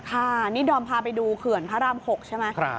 ค่ะนี่ดอมพาไปดูเขื่อนพระราม๖ใช่ไหม